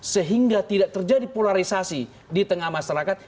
sehingga tidak terjadi polarisasi di tengah masyarakat